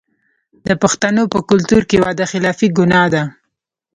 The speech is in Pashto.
د پښتنو په کلتور کې وعده خلافي ګناه ده.